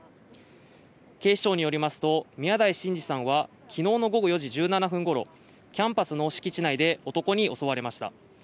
警視庁によりますと宮台真司さんは昨日の４時１７分ごろキャンパスの敷地内で男に襲われました。